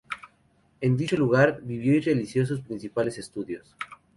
En dicho lugar vivió y realizó sus principales estudios.